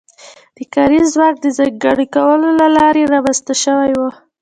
د کاري ځواک د ځانګړي کولو له لارې رامنځته شوې وه.